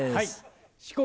四国